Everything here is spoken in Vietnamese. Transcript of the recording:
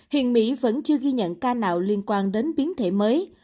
hiện mỹ vẫn chưa ghi nhận ca nào liên quan đến biến thể mới